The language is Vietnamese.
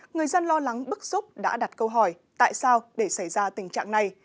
người dân lo lắng bức xúc đã đặt câu hỏi tại sao để xảy ra tình trạng này